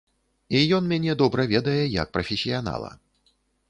І ён мяне добра ведае як прафесіянала.